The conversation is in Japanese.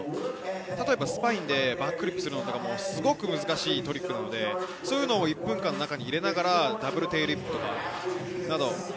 例えば、スパインでバックフリップをするのはすごく難しいトリックなので、それを１分間の中に入れながらダブルテールウィップとか。